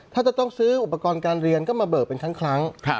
ถ้าจะต้องซื้ออุปกรณ์การเรียนก็มาเบิกเป็นครั้ง